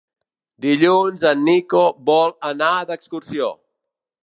Dilluns en Nico vol anar d'excursió.